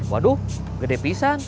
waduh gede pisan